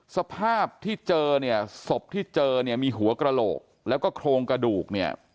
สภาพที่เจอเนี่ยศพที่เจอเนี่ยมีหัวกระโหลกแล้วก็โครงกระดูกเนี่ย